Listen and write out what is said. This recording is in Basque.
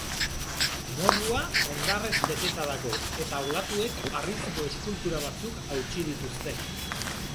Morrua hondarrez beteta dago eta olatuek harrizko eskultura batzuk hautsi dituzte.